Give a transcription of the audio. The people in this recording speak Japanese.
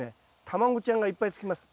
卵ちゃんがいっぱいつきます。